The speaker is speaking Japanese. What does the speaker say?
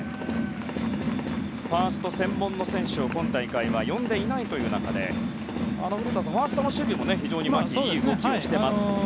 ファースト専門の選手を今大会は呼んでいないという中で古田さん、ファーストの守備も牧は非常にいい動きをしています。